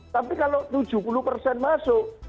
tapi kalau tujuh puluh persen masuk